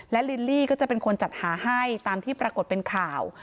และลิลลี่ก็จะเป็นคนจัดหาให้ตามที่ปรากฏเป็นข่าว